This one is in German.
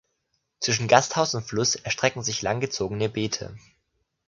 Zwischen Gasthaus und Fluss erstrecken sich langgezogene Beete.